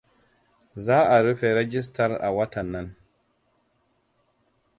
Za a rufe rijistar a watan nan.